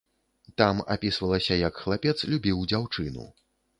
Там апісвалася, як хлапец любіў дзяўчыну.